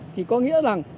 thì có nghĩa rằng